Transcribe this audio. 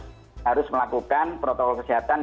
yang kedua tentu kita harus melakukan protokol kesehatan yang